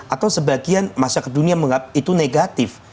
atau sebagian masyarakat dunia menganggap itu negatif